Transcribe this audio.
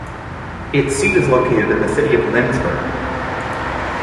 Its seat is located in the city of Lindesberg.